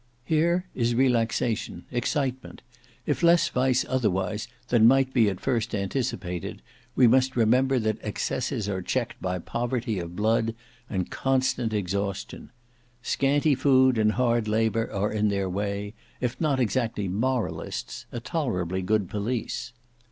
Here is relaxation, excitement; if less vice otherwise than might be at first anticipated, we must remember that excesses are checked by poverty of blood and constant exhaustion. Scanty food and hard labour are in their way, if not exactly moralists, a tolerably good police.